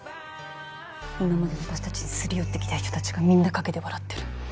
今まで私たちにすり寄ってきた人たちがみんな陰で笑ってる。